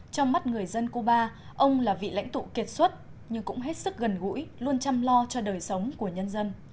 trong mắt người dân cuba ông là vị lãnh tụ kiệt xuất nhưng cũng hết sức gần gũi luôn chăm lo cho đời sống của nhân dân